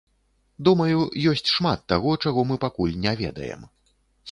Думаю, ёсць шмат таго, чаго мы пакуль не ведаем.